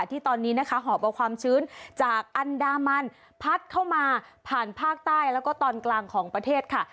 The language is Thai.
ที่ตอนนี้นะคะหอบเอาความชื้นจากอันดามันพัดเข้ามาผ่านภาคใต้แล้วก็ตอนกลางของประเทศค่ะ